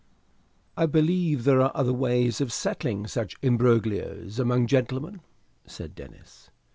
"I believe there are other ways of settling such imbroglios among gentlemen," said Denis.